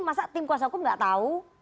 masa tim kuasa hukum nggak tahu